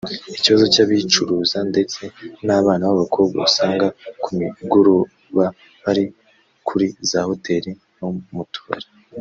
Ikibazo cy’abicuruza ndetse n’abana b’abakobwa usanga ku migoroba bari kuri za Hoteli no mu tubari